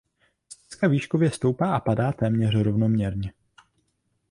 Stezka výškově stoupá a padá téměř rovnoměrně.